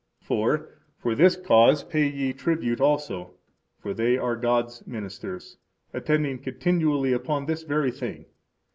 For, for this cause pay ye tribute also; for they are God's ministers, attending continually upon this very thing.